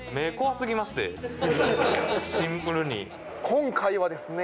今回はですね